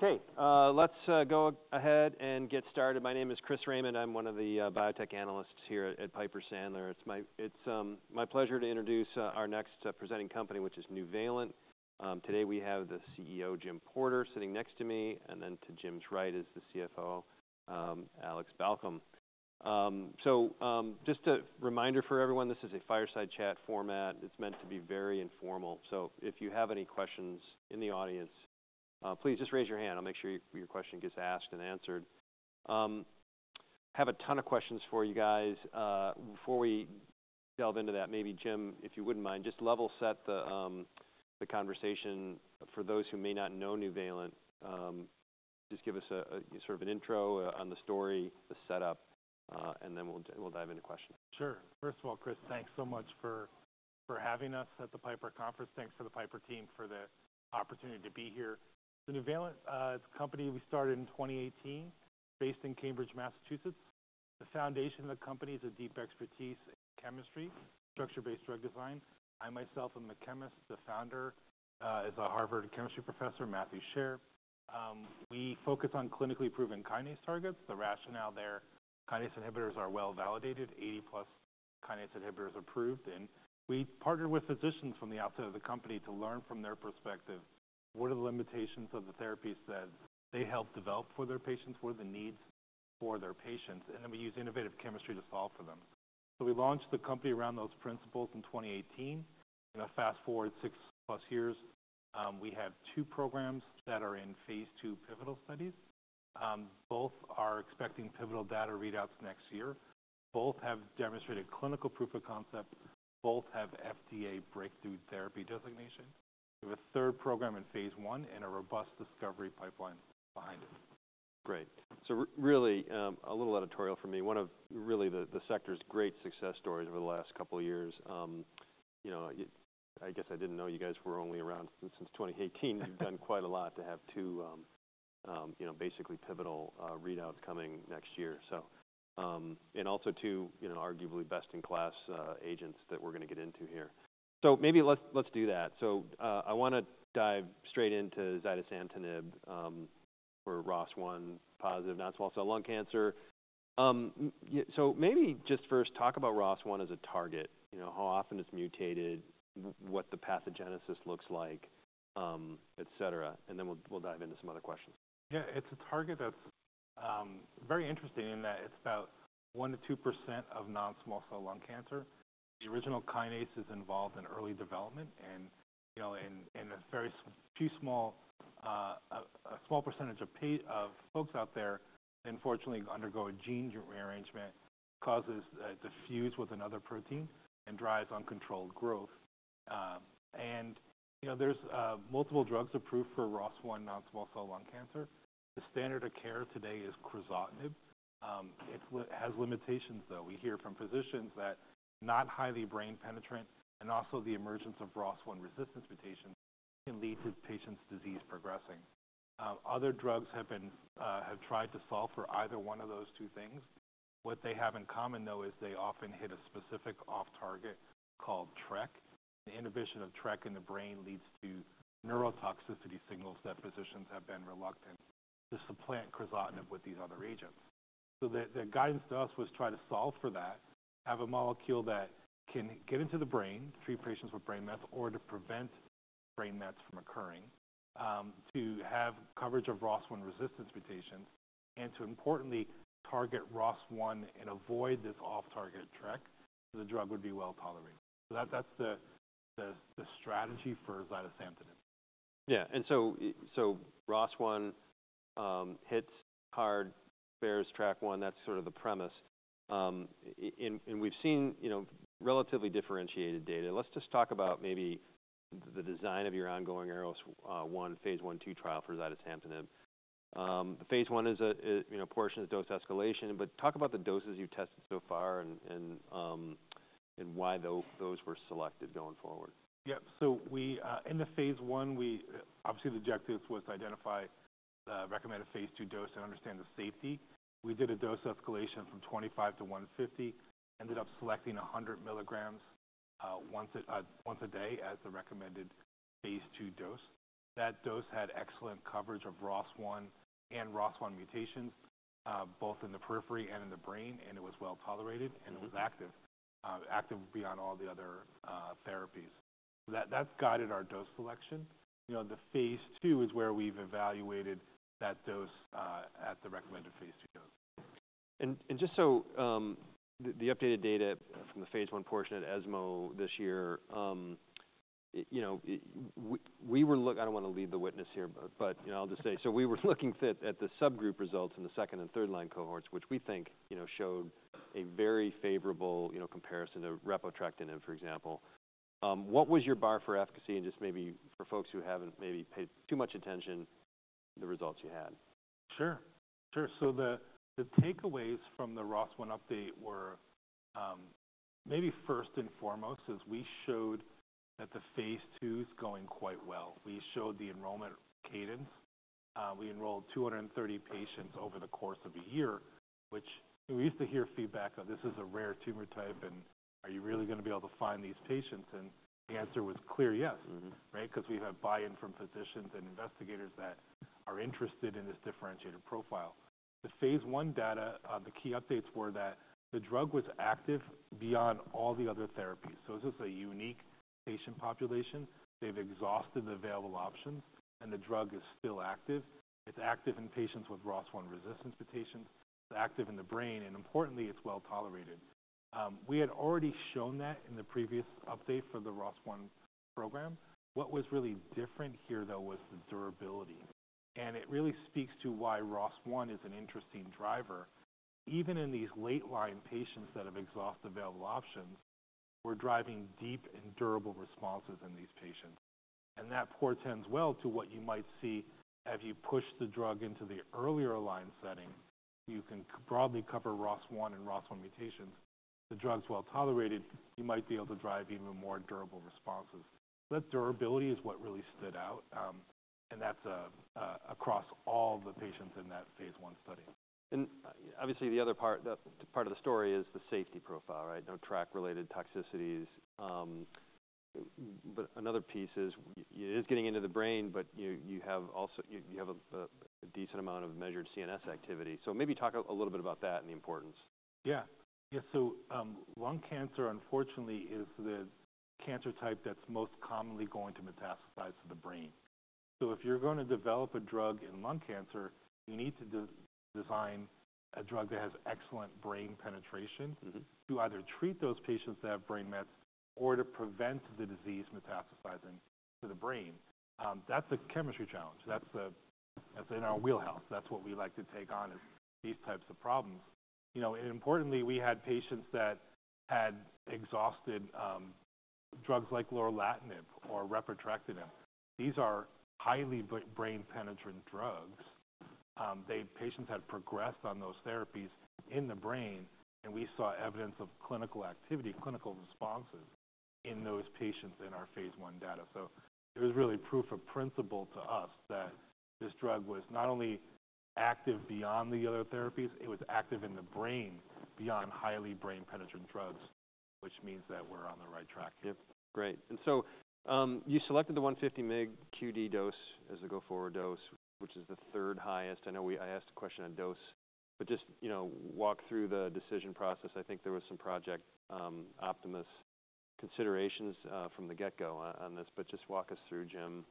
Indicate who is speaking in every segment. Speaker 1: Okay, let's go ahead and get started. My name is Chris Raymond. I'm one of the biotech analysts here at Piper Sandler. It's my pleasure to introduce our next presenting company, which is Nuvalent. Today we have the CEO, Jim Porter, sitting next to me, and then to Jim's right is the CFO, Alex Balcom. So just a reminder for everyone, this is a fireside chat format. It's meant to be very informal. So if you have any questions in the audience, please just raise your hand. I'll make sure your question gets asked and answered. I have a ton of questions for you guys. Before we delve into that, maybe, Jim, if you wouldn't mind, just level set the conversation. For those who may not know Nuvalent, just give us sort of an intro on the story, the setup, and then we'll dive into questions.
Speaker 2: Sure. First of all, Chris, thanks so much for having us at the Piper Conference. Thanks to the Piper team for the opportunity to be here. So Nuvalent is a company we started in 2018, based in Cambridge, Massachusetts. The foundation of the company is a deep expertise in chemistry, structure-based drug design. I, myself, am a chemist. The founder is a Harvard chemistry professor, Matthew Shair. We focus on clinically proven kinase targets. The rationale there is kinase inhibitors are well validated, 80+ kinase inhibitors approved. And we partner with physicians from the outside of the company to learn from their perspective what are the limitations of the therapies that they help develop for their patients, what are the needs for their patients. And then we use innovative chemistry to solve for them so we launched the company around those principles in 2018. In a fast forward, 6+ years, we have two programs that are in phase II pivotal studies. Both are expecting pivotal data readouts next year. Both have demonstrated clinical proof of concept. Both have FDA Breakthrough Therapy Designation. We have a third program in phase I and a robust discovery pipeline behind it.
Speaker 1: Great. So really a little editorial from me. One of really the sector's great success stories over the last couple of years. I guess I didn't know you guys were only around since 2018. You've done quite a lot to have two basically pivotal readouts coming next year. And also two arguably best-in-class agents that we're going to get into here. So maybe let's do that. So I want to dive straight into zidesamtinib for ROS1-positive non-small cell lung cancer. So maybe just first talk about ROS1 as a target, how often it's mutated, what the pathogenesis looks like, et cetera. And then we'll dive into some other questions.
Speaker 2: Yeah, it's a target that's very interesting in that it's about 1% to 2% of non-small cell lung cancer. The original kinase is involved in early development. In a very small percentage of folks out there, unfortunately, undergo a gene rearrangement that causes it to fuse with another protein and drives uncontrolled growth. There's multiple drugs approved for ROS1 non-small cell lung cancer. The standard of care today is crizotinib. It has limitations, though. We hear from physicians that not highly brain penetrant and also the emergence of ROS1 resistance mutations can lead to patients' disease progressing. Other drugs have tried to solve for either one of those two things. What they have in common, though, is they often hit a specific off-target called TRK. Inhibition of TRK in the brain leads to neurotoxicity signals that physicians have been reluctant to supplant crizotinib with these other agents. The guidance to us was try to solve for that, have a molecule that can get into the brain, treat patients with brain mets, or to prevent brain mets from occurring, to have coverage of ROS1 resistance mutations, and to importantly target ROS1 and avoid this off-target TRK, the drug would be well tolerated. That's the strategy for zidesamtinib.
Speaker 1: Yeah. And so ROS1 hits hard, spares TRK one. That's sort of the premise. And we've seen relatively differentiated data. Let's just talk about maybe the design of your ongoing ARROS-1 phase I/II trial for zidesamtinib. Phase I is a portion of dose escalation. But talk about the doses you've tested so far and why those were selected going forward.
Speaker 2: Yep. So in the phase I, obviously, the objective was to identify the recommended phase II dose and understand the safety. We did a dose escalation from 25 to 150, ended up selecting 100 milligrams once a day as the recommended phase II dose. That dose had excellent coverage of ROS1 and ROS1 mutations, both in the periphery and in the brain. And it was well tolerated. And it was active beyond all the other therapies. That's guided our dose selection. The phase II is where we've evaluated that dose at the recommended phase II dose.
Speaker 1: Just so, the updated data from the phase I portion at ESMO this year, we were looking. I don't want to lead the witness here, but I'll just say, so we were looking at the subgroup results in the second and third line cohorts, which we think showed a very favorable comparison to repotrectinib, for example. What was your bar for efficacy? And just maybe for folks who haven't maybe paid too much attention, the results you had.
Speaker 2: Sure. Sure. So the takeaways from the ROS1 update were maybe first and foremost is we showed that the phase II is going quite well. We showed the enrollment cadence. We enrolled 230 patients over the course of a year, which we used to hear feedback of, "This is a rare tumor type. And are you really going to be able to find these patients?" And the answer was clear yes, right, because we have buy-in from physicians and investigators that are interested in this differentiated profile. The phase I data, the key updates were that the drug was active beyond all the other therapies. So this is a unique patient population. They've exhausted the available options. And the drug is still active. It's active in patients with ROS1 resistance mutations. It's active in the brain and importantly, it's well tolerated. We had already shown that in the previous update for the ROS1 program. What was really different here, though, was the durability, and it really speaks to why ROS1 is an interesting driver. Even in these late-line patients that have exhausted available options, we're driving deep and durable responses in these patients, and that portends well to what you might see if you push the drug into the earlier line setting. You can broadly cover ROS1 and ROS1 mutations. The drug's well tolerated. You might be able to drive even more durable responses, so that durability is what really stood out, and that's across all the patients in that phase I study.
Speaker 1: Obviously, the other part of the story is the safety profile, right? No TRK-related toxicities. Another piece is it is getting into the brain, but you have a decent amount of measured CNS activity. Maybe talk a little bit about that and the importance.
Speaker 2: Yeah. Yeah, so lung cancer, unfortunately, is the cancer type that's most commonly going to metastasize to the brain, so if you're going to develop a drug in lung cancer, you need to design a drug that has excellent brain penetration to either treat those patients that have brain mets or to prevent the disease metastasizing to the brain. That's a chemistry challenge. That's in our wheelhouse. That's what we like to take on is these types of problems, and importantly, we had patients that had exhausted drugs like lorlatinib or repotrectinib. These are highly brain penetrant drugs. Patients had progressed on those therapies in the brain, and we saw evidence of clinical activity, clinical responses in those patients in our phase I data. So it was really proof of principle to us that this drug was not only active beyond the other therapies, it was active in the brain beyond highly brain-penetrant drugs, which means that we're on the right track here.
Speaker 1: Great. And so you selected the 150 mg QD dose as the go-forward dose, which is the third highest. I know I asked a question on dose, but just walk through the decision process. I think there was some Project Optimist considerations from the get-go on this. But just walk us through, Jim,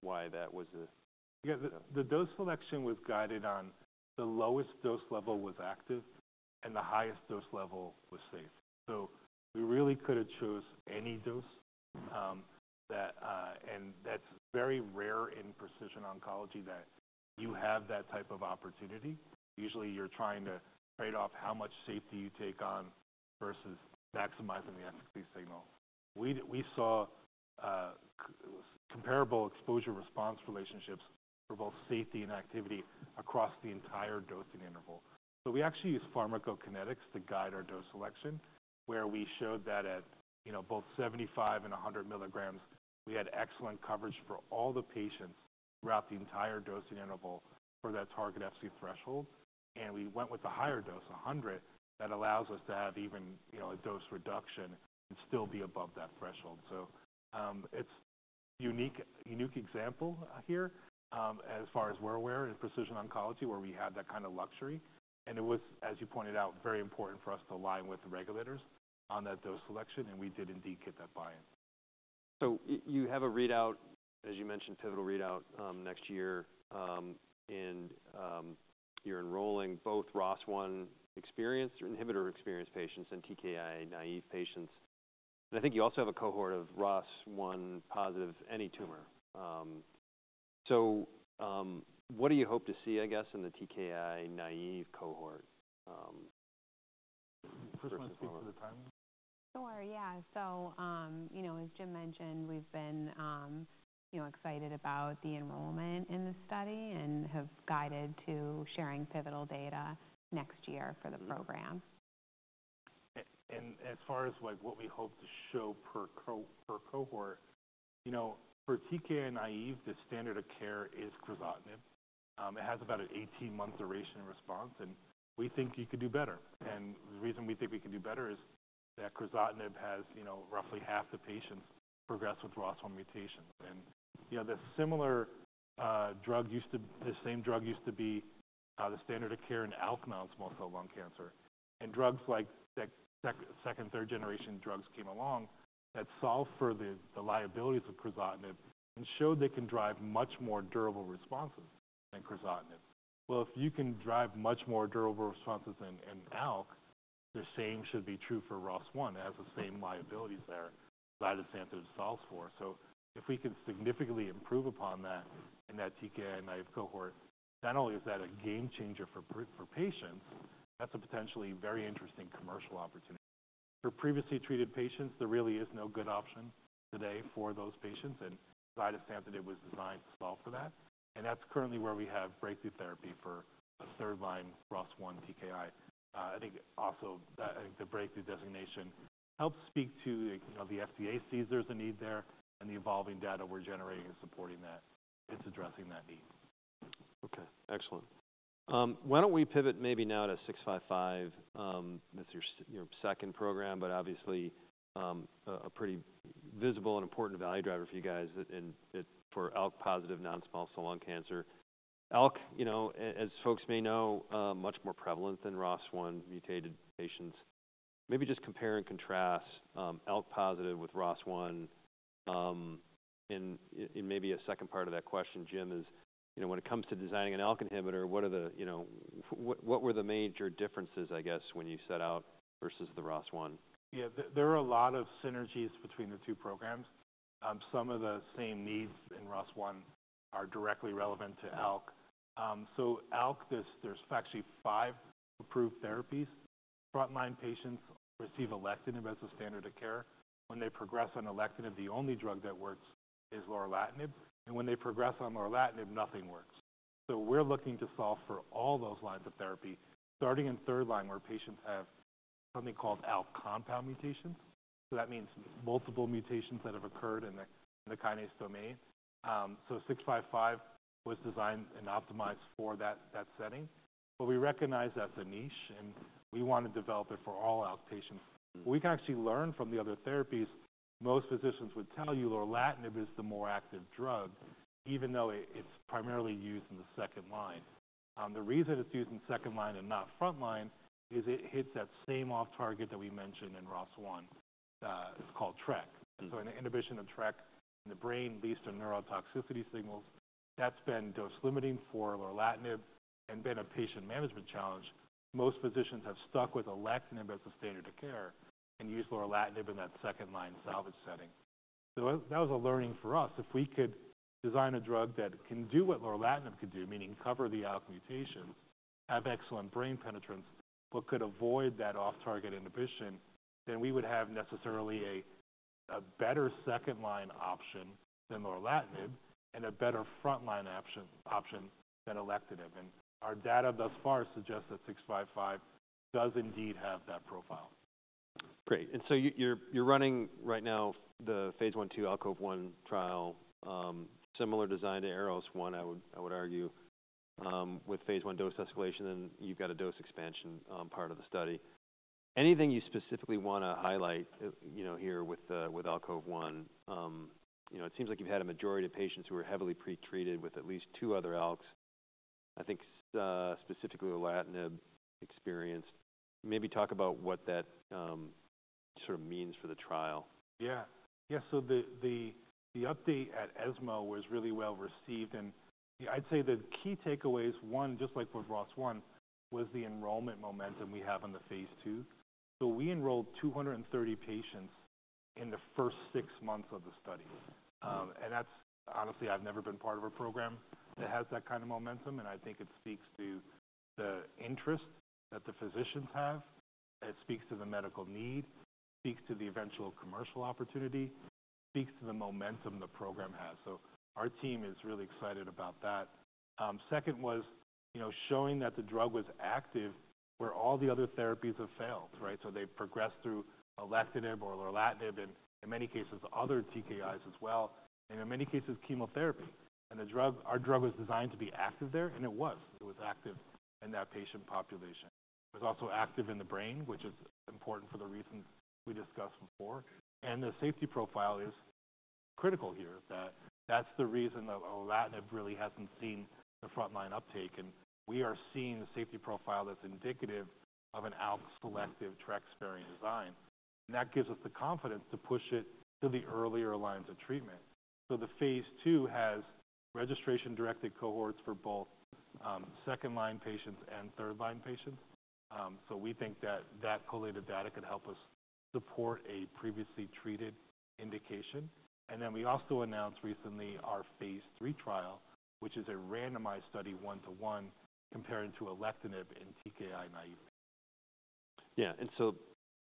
Speaker 1: why that was the dose.
Speaker 2: Yeah. The dose selection was guided on the lowest dose level was active and the highest dose level was safe, so we really could have chosen any dose, and that's very rare in precision oncology that you have that type of opportunity. Usually, you're trying to trade off how much safety you take on versus maximizing the efficacy signal. We saw comparable exposure-response relationships for both safety and activity across the entire dosing interval, so we actually used pharmacokinetics to guide our dose selection, where we showed that at both 75 mg and 100 mg, we had excellent coverage for all the patients throughout the entire dosing interval for that target efficacy threshold. We went with the higher dose, 100 mg, that allows us to have even a dose reduction and still be above that threshold. So it's a unique example here as far as we're aware in precision oncology, where we had that kind of luxury. And it was, as you pointed out, very important for us to align with the regulators on that dose selection. And we did indeed get that buy-in.
Speaker 1: So you have a readout, as you mentioned, pivotal readout next year. And you're enrolling both ROS1 inhibitor-experienced patients and TKI-naïve patients. And I think you also have a cohort of ROS1-positive any tumor. So what do you hope to see, I guess, in the TKI-naïve cohort?
Speaker 2: Do you want to speak for the timing?
Speaker 3: Sure. Yeah, so as Jim mentioned, we've been excited about the enrollment in the study and have guided to sharing pivotal data next year for the program.
Speaker 2: As far as what we hope to show per cohort, for TKI-naïve, the standard of care is crizotinib. It has about an 18-month duration response. We think you could do better. The reason we think we could do better is that crizotinib has roughly half the patients progress with ROS1 mutations. The same drug used to be the standard of care in ALK non-small cell lung cancer. Drugs like second and third generation drugs came along that solve for the liabilities of crizotinib and showed they can drive much more durable responses than crizotinib. If you can drive much more durable responses than ALK, the same should be true for ROS1. It has the same liabilities there zidesamtinib solves for. So if we can significantly improve upon that in that TKI-naïve cohort, not only is that a game changer for patients, that's a potentially very interesting commercial opportunity. For previously treated patients, there really is no good option today for those patients. And zidesamtinib was designed to solve for that. And that's currently where we have breakthrough therapy for third line ROS1 TKI. I think also the breakthrough designation helps speak to the FDA sees there's a need there. And the evolving data we're generating and supporting that is addressing that need.
Speaker 1: Okay. Excellent. Why don't we pivot maybe now to 655? That's your second program, but obviously a pretty visible and important value driver for you guys for ALK-positive non-small cell lung cancer. ALK, as folks may know, is much more prevalent than ROS1 mutated patients. Maybe just compare and contrast ALK-positive with ROS1. And maybe a second part of that question, Jim, is when it comes to designing an ALK inhibitor, what were the major differences, I guess, when you set out versus the ROS1?
Speaker 2: Yeah. There are a lot of synergies between the two programs. Some of the same needs in ROS1 are directly relevant to ALK, so ALK, there's actually five approved therapies. Front line patients receive alectinib as a standard of care. When they progress on alectinib, the only drug that works is lorlatinib. And when they progress on lorlatinib, nothing works, so we're looking to solve for all those lines of therapy, starting in third line where patients have something called ALK compound mutations, so that means multiple mutations that have occurred in the kinase domain, so 655 was designed and optimized for that setting. But we recognize that's a niche. And we want to develop it for all ALK patients. We can actually learn from the other therapies. Most physicians would tell you lorlatinib is the more active drug, even though it's primarily used in the second line. The reason it's used in second line and not front line is it hits that same off-target that we mentioned in ROS1. It's called TRK, so an inhibition of TRK in the brain leads to neurotoxicity signals. That's been dose limiting for lorlatinib and been a patient management challenge. Most physicians have stuck with alectinib as a standard of care and use lorlatinib in that second line salvage setting, so that was a learning for us. If we could design a drug that can do what lorlatinib could do, meaning cover the ALK mutations, have excellent brain penetrance, but could avoid that off-target inhibition, then we would have necessarily a better second line option than lorlatinib and a better front line option than alectinib, and our data thus far suggests that 655 does indeed have that profile.
Speaker 1: Great. And so you're running right now the phase I/II ALKOVE-1 trial, similar design to ARROS-1, I would argue, with phase I dose escalation. And you've got a dose expansion part of the study. Anything you specifically want to highlight here with ALKOVE-1? It seems like you've had a majority of patients who are heavily pretreated with at least two other ALKs, I think specifically lorlatinib experienced. Maybe talk about what that sort of means for the trial.
Speaker 2: Yeah. Yeah. So the update at ESMO was really well received. And I'd say the key takeaways, one, just like with ROS1, was the enrollment momentum we have in the phase II. So we enrolled 230 patients in the first six months of the study. And honestly, I've never been part of a program that has that kind of momentum. And I think it speaks to the interest that the physicians have. It speaks to the medical need. It speaks to the eventual commercial opportunity. It speaks to the momentum the program has. So our team is really excited about that. Second was showing that the drug was active where all the other therapies have failed, right? So they progressed through alectinib or lorlatinib and in many cases, other TKIs as well. And in many cases, chemotherapy. And our drug was designed to be active there. And it was. It was active in that patient population. It was also active in the brain, which is important for the reasons we discussed before, and the safety profile is critical here, that that's the reason that lorlatinib really hasn't seen the front line uptake, and we are seeing the safety profile that's indicative of an ALK selective TRK-sparing design, and that gives us the confidence to push it to the earlier lines of treatment, so the phase II has registration-directed cohorts for both second line patients and third line patients, so we think that that collated data could help us support a previously treated indication, and then we also announced recently our phase III trial, which is a randomized study one-to-one compared to alectinib in TKI-naïve patients.
Speaker 1: Yeah. And so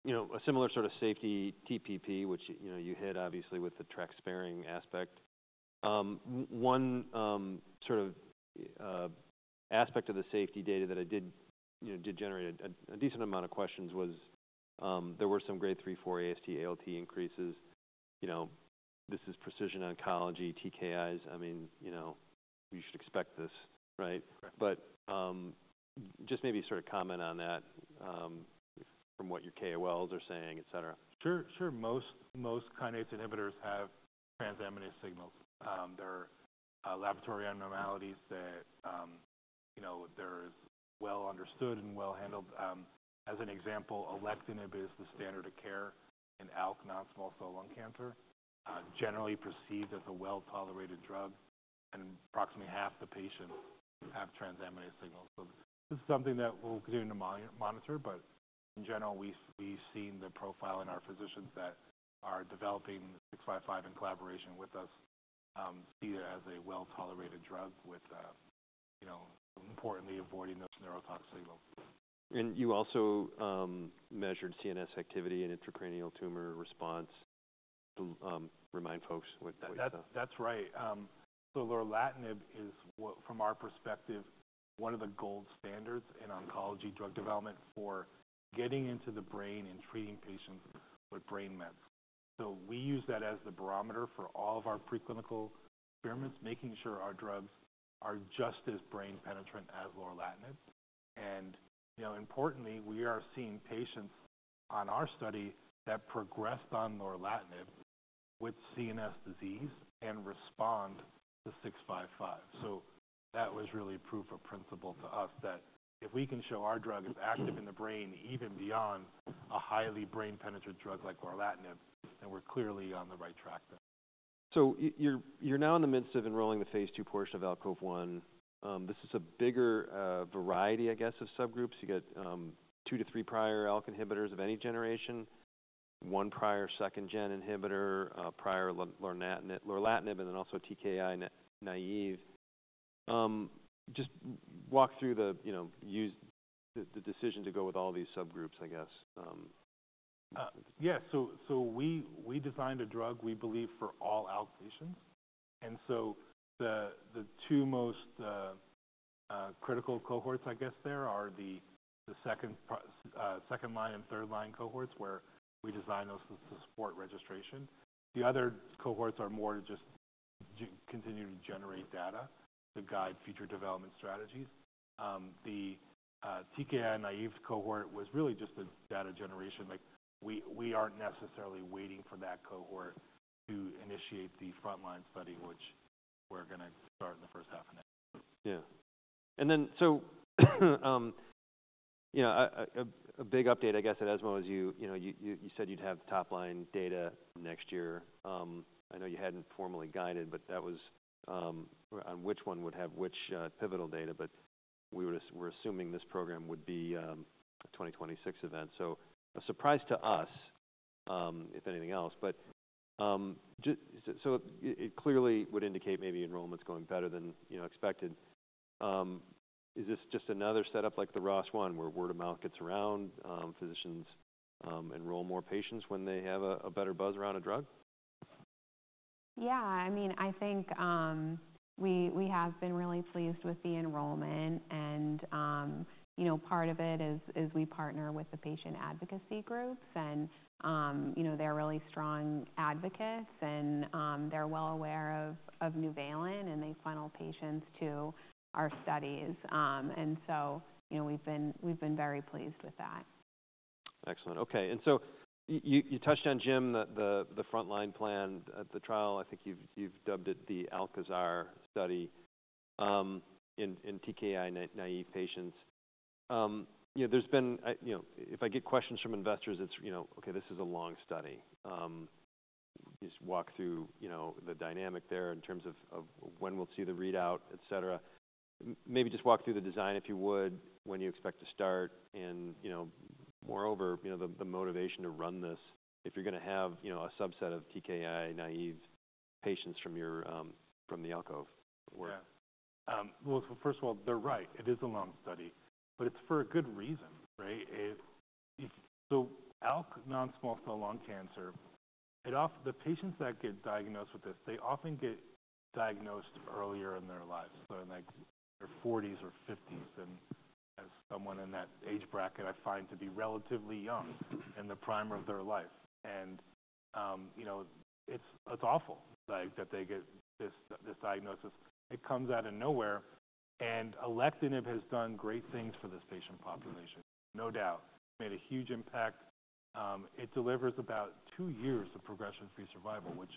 Speaker 1: a similar sort of safety TPP, which you hit, obviously, with the TRK-sparing aspect. One sort of aspect of the safety data that did generate a decent amount of questions was there were some grade 3, 4, AST, ALT increases. This is precision oncology, TKIs. I mean, we should expect this, right? But just maybe sort of comment on that from what your KOLs are saying, etc.
Speaker 2: Sure. Sure. Most kinase inhibitors have transaminase signals. There are laboratory abnormalities that they're well understood and well handled. As an example, alectinib is the standard of care in ALK non-small cell lung cancer, generally perceived as a well-tolerated drug, and approximately half the patients have transaminase signals, so this is something that we'll continue to monitor, but in general, we've seen the profile in our physicians that are developing 655 in collaboration with us see it as a well-tolerated drug with, importantly, avoiding those neurotoxic signals.
Speaker 1: You also measured CNS activity and intracranial tumor response to remind folks what that was.
Speaker 2: That's right. So lorlatinib is, from our perspective, one of the gold standards in oncology drug development for getting into the brain and treating patients with brain mets. So we use that as the barometer for all of our preclinical experiments, making sure our drugs are just as brain penetrant as lorlatinib. And importantly, we are seeing patients on our study that progressed on lorlatinib with CNS disease and respond to 655. So that was really proof of principle to us that if we can show our drug is active in the brain even beyond a highly brain penetrating drug like lorlatinib, then we're clearly on the right track there.
Speaker 1: So you're now in the midst of enrolling the phase II portion of ALKOVE-1. This is a bigger variety, I guess, of subgroups. You get two to three prior ALK inhibitors of any generation, one prior second gen inhibitor, prior lorlatinib, and then also TKI-naïve. Just walk through the decision to go with all these subgroups.
Speaker 2: Yeah. So we designed a drug, we believe, for all ALK patients. And so the two most critical cohorts there are the second line and third line cohorts where we designed those to support registration. The other cohorts are more to just continue to generate data to guide future development strategies. The TKI-naïve cohort was really just a data generation. We aren't necessarily waiting for that cohort to initiate the front line study, which we're going to start in the first half of next year.
Speaker 1: Yeah. And then so a big update, I guess, at ESMO is you said you'd have top line data next year. I know you hadn't formally guided, but that was on which one would have which pivotal data. But we're assuming this program would be a 2026 event. So a surprise to us, if anything else. But so it clearly would indicate maybe enrollment's going better than expected. Is this just another setup like the ROS1 where word of mouth gets around? Physicians enroll more patients when they have a better buzz around a drug?
Speaker 3: Yeah. I mean, I think we have been really pleased with the enrollment. And part of it is we partner with the patient advocacy groups. And they're really strong advocates. And they're well aware of Nuvalent. And they funnel patients to our studies. And so we've been very pleased with that.
Speaker 1: Excellent. Okay. And so you touched on, Jim, the front line plan at the trial. I think you've dubbed it the ALKOZAR study in TKI-naïve patients. There's been if I get questions from investors, it's, "Okay. This is a long study." Just walk through the dynamic there in terms of when we'll see the readout, etc. Maybe just walk through the design, if you would, when you expect to start. And moreover, the motivation to run this if you're going to have a subset of TKI-naïve patients from the ALKOVE work.
Speaker 2: Yeah. Well, first of all, they're right. It is a long study. But it's for a good reason, right? So ALK non-small cell lung cancer, the patients that get diagnosed with this, they often get diagnosed earlier in their lives, so in their 40s or 50s. And someone in that age bracket, I find, to be relatively young in the prime of their life. And it's awful that they get this diagnosis. It comes out of nowhere. And alectinib has done great things for this patient population, no doubt. It made a huge impact. It delivers about two years of progression-free survival, which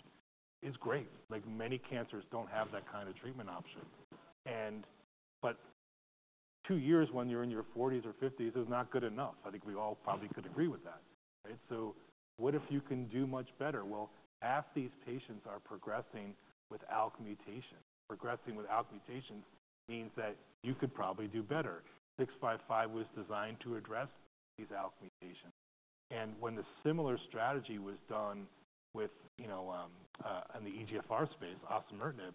Speaker 2: is great. Many cancers don't have that kind of treatment option. But two years when you're in your 40s or 50s is not good enough. I think we all probably could agree with that, right? So what if you can do much better? Half these patients are progressing with ALK mutation. Progressing with ALK mutations means that you could probably do better. 655 was designed to address these ALK mutations. When the similar strategy was done in the EGFR space, osimertinib,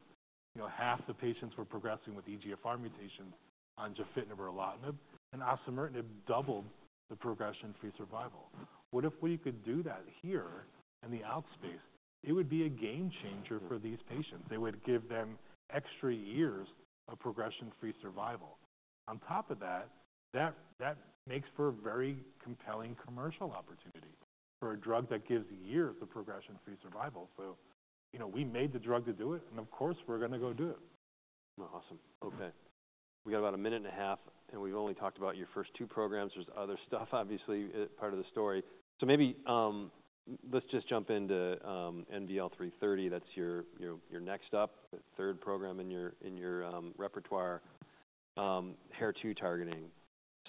Speaker 2: half the patients were progressing with EGFR mutations on gefitinib/erlotinib. Osimertinib doubled the progression-free survival. What if we could do that here in the ALK space? It would be a game changer for these patients. It would give them extra years of progression-free survival. On top of that, that makes for a very compelling commercial opportunity for a drug that gives years of progression-free survival. We made the drug to do it. Of course, we're going to go do it.
Speaker 1: Awesome. Okay. We got about a minute and a half and we've only talked about your first two programs. There's other stuff, obviously, part of the story. Maybe let's just jump into NVL-330. That's your next up, the third program in your repertoire, HER2 targeting.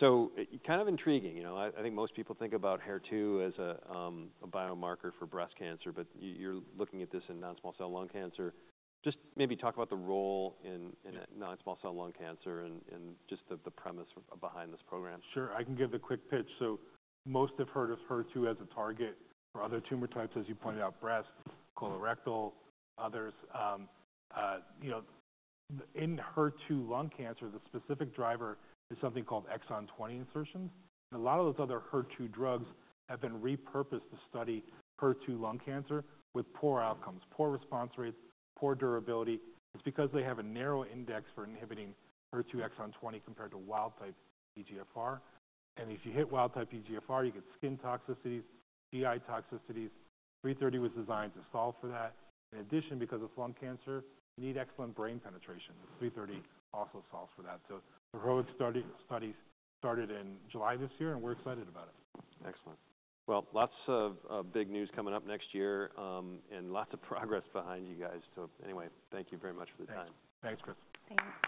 Speaker 1: Kind of intriguing. I think most people think about HER2 as a biomarker for breast cancer, but you're looking at this in non-small cell lung cancer. Just maybe talk about the role in non-small cell lung cancer and just the premise behind this program.
Speaker 2: Sure. I can give the quick pitch. So most have heard of HER2 as a target for other tumor types, as you pointed out, breast, colorectal, others. In HER2 lung cancer, the specific driver is something called Exon 20 insertions. And a lot of those other HER2 drugs have been repurposed to study HER2 lung cancer with poor outcomes, poor response rates, poor durability. It's because they have a narrow index for inhibiting HER2 exon 20 compared to wild-type EGFR. And if you hit wild-type EGFR, you get skin toxicities, GI toxicities. 330 was designed to solve for that. In addition, because it's lung cancer, you need excellent brain penetration. 330 also solves for that. So the HER2 studies started in July this year. And we're excited about it.
Speaker 1: Excellent. Well, lots of big news coming up next year and lots of progress behind you guys. So anyway, thank you very much for the time.
Speaker 2: Thanks, Chris.
Speaker 3: Thanks.